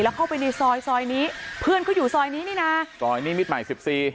เข้าไปในซอยซอยนี้เพื่อนเขาอยู่ซอยนี้นี่นะซอยนิมิตรใหม่สิบสี่